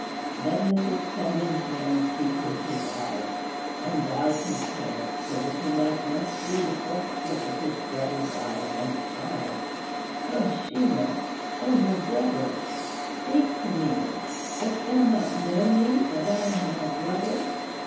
Then with his trembling hands he hid his eyes, And bowed his head, so that he might not see The first look of his brother's eyes, and cried, "O, Sheemah! O, my brother, speak to me! Dost thou not know me, that I am thy brother?